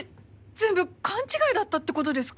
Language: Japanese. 全部勘違いだったってことですか？